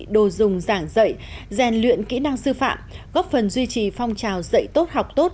đồ dùng giảng dạy rèn luyện kỹ năng sư phạm góp phần duy trì phong trào dạy tốt học tốt